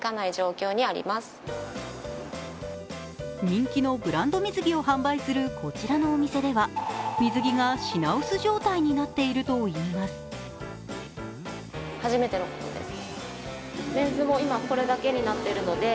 人気のブランド水着を販売するこちらのお店では水着が品薄状態になっているといいます。